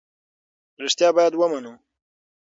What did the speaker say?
رښتیا باید ومنو.